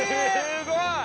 すごい！